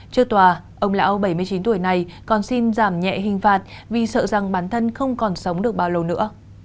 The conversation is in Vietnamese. trước tòa ông lão bảy mươi chín tuổi này còn xin giảm nhẹ hình phạt vì sợ rằng bản thân không còn sống được bao lâu nữa